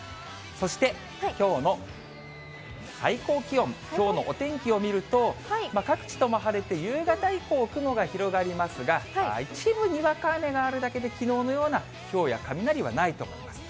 そしてきょうの最高気温、きょうのお天気を見ると、各地とも晴れて、夕方以降、雲が広がりますが、一部、にわか雨があるだけで、きのうのようなひょうや雷はないと思います。